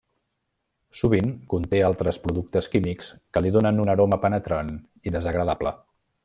Sovint conté altres productes químics que li donen un aroma penetrant i desagradable.